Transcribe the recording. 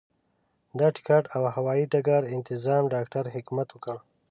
د ټکټ او هوايي ډګر انتظام ډاکټر حکمت وکړ.